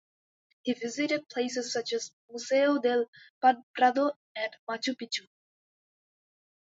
He visited places such as the Museo del Prado and Machu Picchu.